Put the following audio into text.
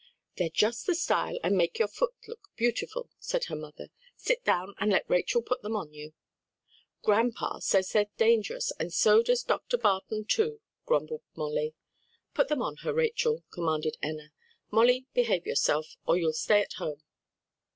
"They're just the style and make your foot look beautiful," said her mother, "sit down and let Rachel put them on you." "Grandpa says they're dangerous, and so does Dr. Barton, too," grumbled Molly. "Put them on her, Rachel," commanded Enna. "Molly, behave yourself, or you'll stay at home."